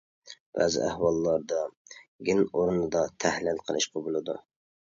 بەزى ئەھۋاللاردا گېن ئورنىدا تەھلىل قىلىشقا بولىدۇ.